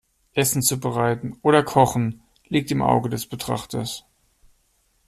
Essen zubereiten oder kochen liegt im Auge des Betrachters.